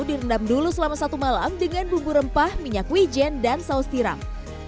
direndam dulu selama satu malam dengan bumbu rempah minyak wijen dan saus tiram